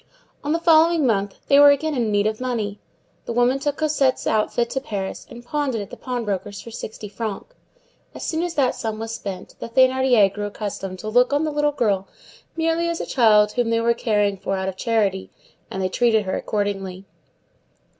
On the following month they were again in need of money. The woman took Cosette's outfit to Paris, and pawned it at the pawnbroker's for sixty francs. As soon as that sum was spent, the Thénardiers grew accustomed to look on the little girl merely as a child whom they were caring for out of charity; and they treated her accordingly.